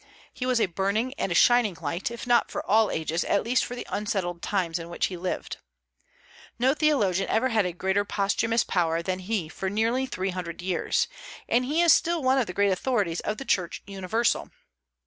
He was a burning and a shining light, if not for all ages, at least for the unsettled times in which he lived. No theologian ever had a greater posthumous power than he for nearly three hundred years, and he is still one of the great authorities of the church universal.